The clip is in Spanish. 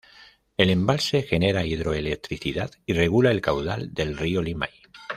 El embalse genera hidroelectricidad y regula el caudal del río Limay.